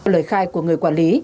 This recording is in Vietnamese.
lời khai của người quản lý